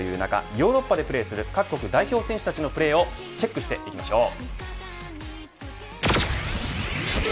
ヨーロッパでプレーする各国代表選手のプレーをチェックしましょう。